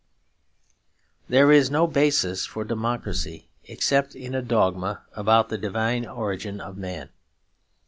There is no basis for democracy except in a dogma about the divine origin of man.